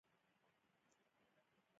که میتیلین بلو وکارول شي آبي رنګ نیسي.